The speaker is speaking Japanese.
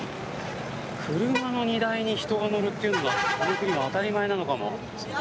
車の荷台に人が乗るのはこの国では当たり前なのかも。